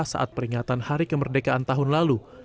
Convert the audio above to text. saat peringatan hari kemerdekaan tahun lalu